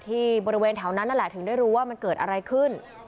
ที่บริเวณแถวนั้นนั่นแหละถึงได้รู้ว่ามันเกิดอะไรขึ้น